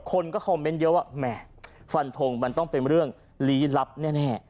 คนก็คอมเมนต์เยอะว่าแหม่ฟันทงมันต้องเป็นเรื่องลี้ลับแน่